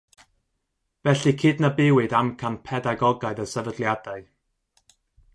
Felly cydnabuwyd amcan pedagogaidd y sefydliadau.